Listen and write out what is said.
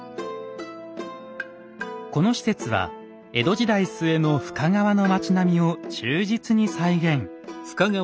この施設は江戸時代末の深川の町並みを忠実に再現。